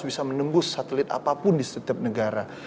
bisa menembus satelit apapun di setiap negara